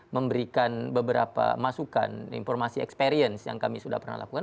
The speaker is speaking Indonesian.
memberikan beberapa masukan informasi experience yang kami sudah pernah lakukan